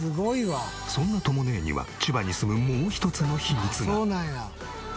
そんなとも姉には千葉に住むもう一つの秘密が。